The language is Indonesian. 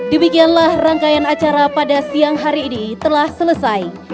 demikianlah rangkaian acara pada siang hari ini telah selesai